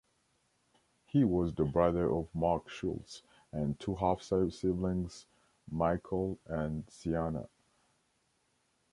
He was the brother of Mark Schultz, and two half-siblings - Michael and Seana.